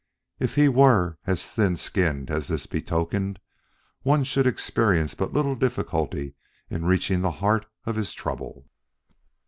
If he were as thin skinned as this betokened, one should experience but little difficulty in reaching the heart of his trouble.